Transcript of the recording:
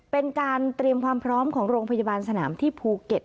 เป็นการเตรียมความพร้อมของโรงพยาบาลสนามที่ภูเก็ต